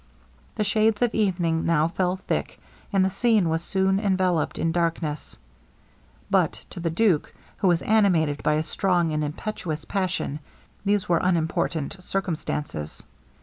The shades of evening now fell thick, and the scene was soon enveloped in darkness; but to the duke, who was animated by a strong and impetuous passion, these were unimportant circumstances.